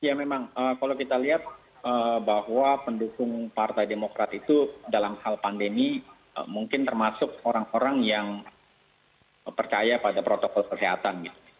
ya memang kalau kita lihat bahwa pendukung partai demokrat itu dalam hal pandemi mungkin termasuk orang orang yang percaya pada protokol kesehatan